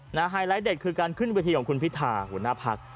ไฮไลท์เด็ดคือการขึ้นเวทีของคุณพิธาหัวหน้าพัก